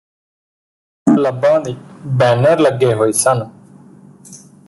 ਕਲੱਬਾਂ ਦੇ ਬੈਨਰ ਲੱਗੇ ਹੋਏ ਸਨ